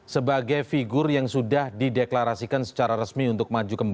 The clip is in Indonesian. sebagai figur yang sudah dideklarasikan secara resmi untuk maju kembali